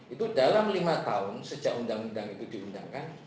itu dalam lima tahun sejak undang undang itu diundangkan